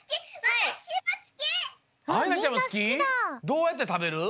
どうやってたべる？